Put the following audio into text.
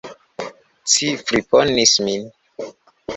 Ci friponis min!